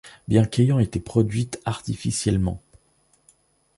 bien qu’ayant été produite artificiellement !